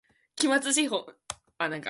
期末資本